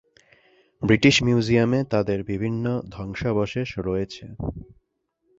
British মিউজিয়ামে তাদের বিভিন্ন ধ্বংসাবশেষ রয়েছে।